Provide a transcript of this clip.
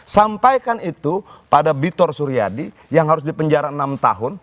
sampaikan itu pada bitor suryadi yang harus dipenjara enam tahun